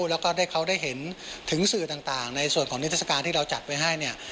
แล้วก็เขาได้เห็นถึงสื่อต่างในส่วนของนิทรศการที่เราจัดไว้ให้เนี่ย